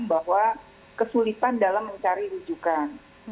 bahwa kesulitan dalam mencari rujukan